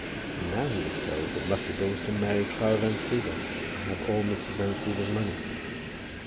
And now he was told that Musselboro was to marry Clara Van Siever, and have all Mrs. Van Siever's money.